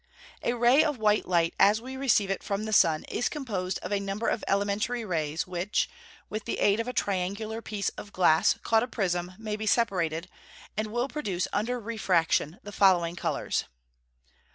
_ A ray of white light, as we receive it from the sun, is composed of a number of elementary rays, which, with the aid of a triangular piece of glass, called a prism, may be separated, and will produce under refraction the following colours: 1.